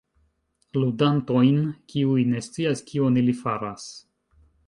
Ludantojn, kiuj ne scias kion ili faras...